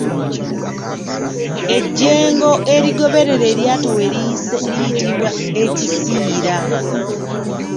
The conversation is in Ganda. Ejjengo erigoberera eryato we liyise liyitibwa Ekisiira.